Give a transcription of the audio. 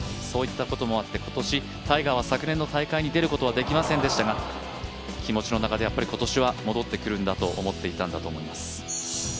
そういったこともあって、今年、タイガーは昨年の大会に出ることはできませんでしたが、気持ちの中で今年は戻ってくるんだと思ったんだと思います。